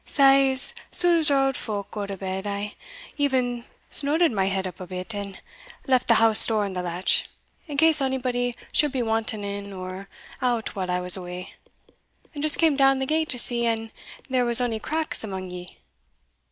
Sae, as soon as our auld folk gaed to bed, I e'en snodded my head up a bit, and left the house door on the latch, in case onybody should be wanting in or out while I was awa, and just cam down the gate to see an there was ony cracks amang ye."